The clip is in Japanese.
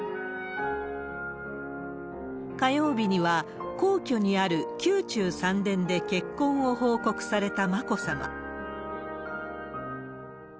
火曜日には、皇居にある宮中三殿で結婚を報告された眞子さま。